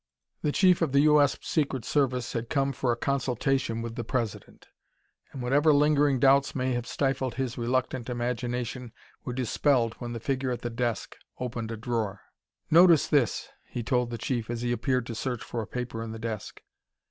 The Chief of the U. S. Secret Service had come for a consultation with the President. And whatever lingering doubts may have stifled his reluctant imagination were dispelled when the figure at the desk opened a drawer. "Notice this," he told the Chief as he appeared to search for a paper in the desk.